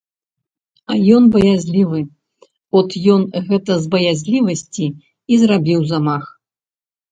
А ён баязлівы, от ён гэта з баязлівасці і зрабіў замах.